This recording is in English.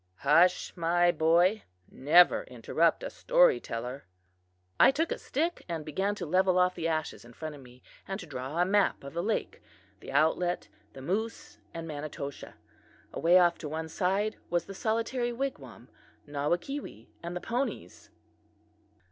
"Hush, my boy; never interrupt a storyteller." I took a stick and began to level off the ashes in front of me, and to draw a map of the lake, the outlet, the moose and Manitoshaw. Away off to one side was the solitary wigwam, Nawakewee and the ponies.